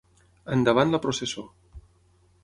Endavant la processó.